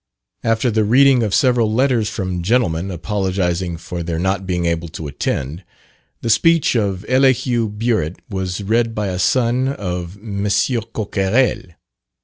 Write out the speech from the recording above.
After the reading of several letters from gentlemen, apologising for their not being able to attend, the speech of Elihu Burritt was read by a son of M. Coquerel.